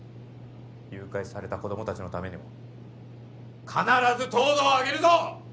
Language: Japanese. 誘拐された子ども達のためにも必ず東堂をあげるぞ！